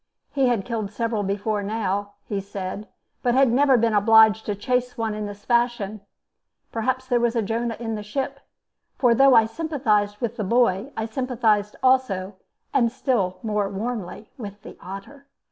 He had killed several before now, he said, but had never been obliged to chase one in this fashion. Perhaps there was a Jonah in the ship; for though I sympathized with the boy, I sympathized also, and still more warmly, with the otter.